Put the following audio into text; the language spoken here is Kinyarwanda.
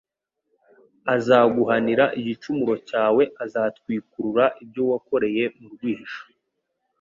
azaguhanira igicumuro cyawe azatwikurura ibyo wakoreye mu rwihisho